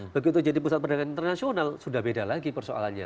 begitu jadi pusat perdagangan internasional sudah beda lagi persoalannya